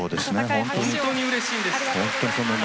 本当にうれしいです。